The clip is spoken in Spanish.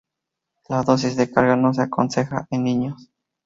La dosis de carga no se aconseja en niños.